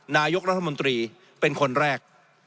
นายกรัฐมนตรีเป็นคนแรก